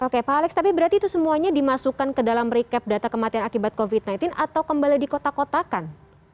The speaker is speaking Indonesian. oke pak alex tapi berarti itu semuanya dimasukkan ke dalam recap data kematian akibat covid sembilan belas atau kembali dikotak kotakan